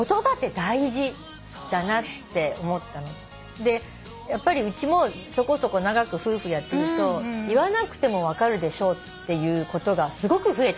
でやっぱりうちもそこそこ長く夫婦やってると言わなくても分かるでしょっていうことがすごく増えたの。